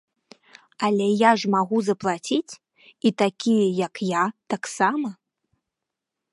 Але я ж магу заплаціць, і такія, як я, таксама.